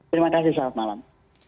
terima kasih selamat malam